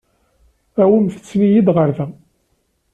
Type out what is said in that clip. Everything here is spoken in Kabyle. Awimt-ten-id ɣer da.